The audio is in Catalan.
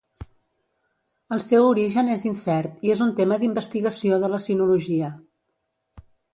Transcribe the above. El seu origen és incert i és un tema d'investigació de la sinologia.